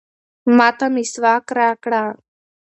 ما ته مسواک راکړه.